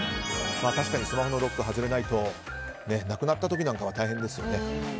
確かにスマホのロック外れないと亡くなった時なんかは大変ですよね。